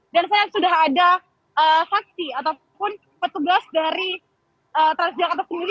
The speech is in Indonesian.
dan saya sudah ada saksi ataupun petugas dari trans jakarta sendiri